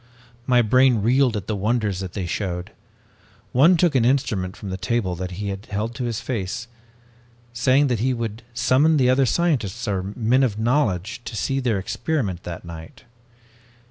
"My brain reeled at the wonders that they showed. One took an instrument from the table that he held to his face, saying that he would summon the other scientists or men of knowledge to see their experiment that night.